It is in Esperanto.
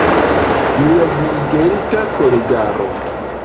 Nia diligenta kolegaro.